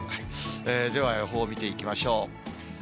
では、予報を見ていきましょう。